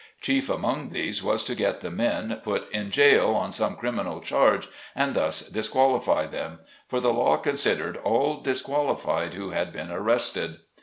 Chief among these, was to get the men put in jail on some criminal charge, and thus disqual ify them ; for the law considered all disqualified who had been arrested.